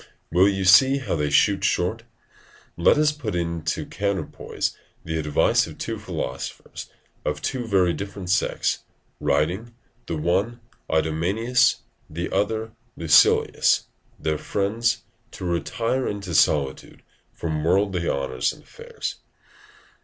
Will you see how they shoot short? Let us put into the counterpoise the advice of two philosophers, of two very different sects, writing, the one to Idomeneus, the other to Lucilius, their friends, to retire into solitude from worldly honours and affairs.